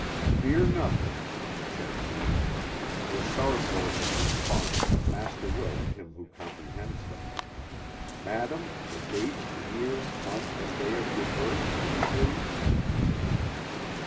"Fear nothing," said he. "The star forces respond to the master will of him who comprehends them. Madam, the date, year, month and day of your birth, if you please?"